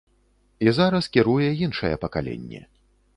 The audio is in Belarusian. І зараз кіруе іншае пакаленне.